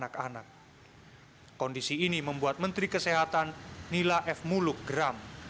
kondisi ini membuat menteri kesehatan nila f muluk geram